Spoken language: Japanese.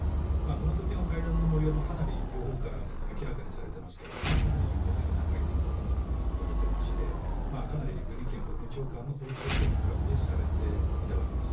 この時の会談の模様も両方から明らかにされてますがかなり有効的な会談だったといわれていましてかなりブリンケン国務長官の訪中というのは確実視されていたわけです。